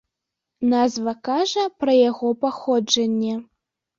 Назва кажа пра яго паходжанне.